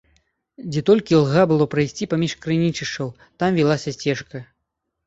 Дзе толькі льга было прайсці паміж крынічышчаў, там вілася сцежка.